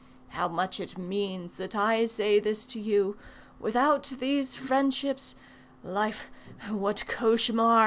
How much it means that I say this to you Without these friendships life, what cauchemar!"